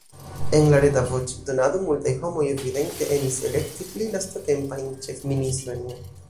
En la reta voĉdonado multaj homoj evidente emis elekti pli lastatempajn ĉefministrojn.